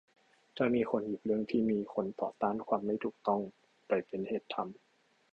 ถ้ามีคนหยิบเรื่องที่มีคนต่อต้านความไม่ถูกต้องไปเป็นเหตุทำ